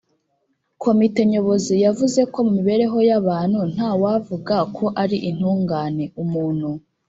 komite nyobozi yavuze ko mu mibereho y’abantu, nta wavuga ko ari intungane, umuntu